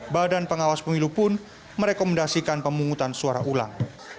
badan pengawas pemilu pun merekomendasikan pemungutan suara ulang